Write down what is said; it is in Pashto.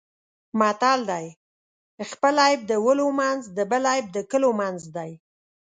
متل دی: خپل عیب د ولو منځ د بل عیب د کلو منځ دی.